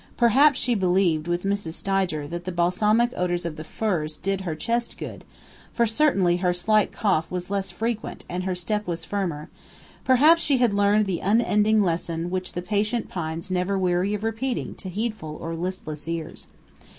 Perhaps she believed, with Mrs. Stidger, that the balsamic odors of the firs "did her chest good," for certainly her slight cough was less frequent and her step was firmer; perhaps she had learned the unending lesson which the patient pines are never weary of repeating to heedful or listless ears.